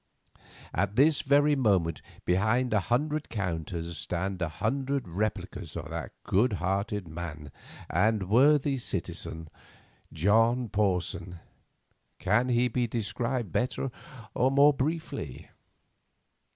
At this very moment behind a hundred counters stand a hundred replicas of that good hearted man and worthy citizen, John Porson. Can he be described better or more briefly?